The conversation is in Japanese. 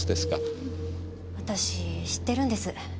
私知ってるんです。